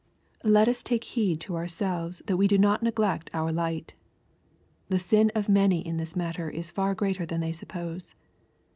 Let us take heed to ourselves that we do not neglect OUT light. The sin of many in this matter is far greater than they suppose.